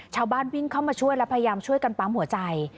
ชาวบ้านวิ่งเข้ามาช่วยและพยายามช่วยกันปั๊มหัวใจ